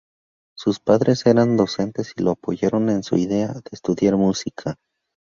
Sus padres eran docentes y lo apoyaron en su idea de estudiar música.